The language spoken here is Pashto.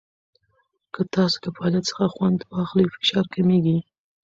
که تاسو د فعالیت څخه خوند واخلئ، فشار کمېږي.